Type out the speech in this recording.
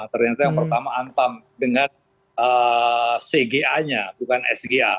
ternyata yang pertama antam dengan cga nya bukan sga